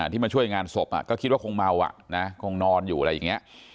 ที่มาช่วยงานศพก็คิดว่าคงเมาคงนอนอยู่อะไรอย่างนี้